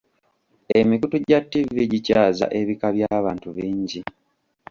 Emikutu gya ttivi gikyaza ebika by'abantu bingi.